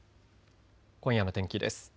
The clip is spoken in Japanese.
今夜の天気です。